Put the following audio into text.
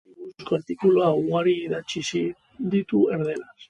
Euskal gaiei buruzko artikulu ugari idatzi ditu erdaraz.